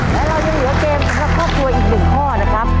และเรายังเหลือเกมสำหรับครอบครัวอีก๑ข้อนะครับ